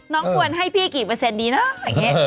ควรให้พี่กี่เปอร์เซ็นดีนะอย่างนี้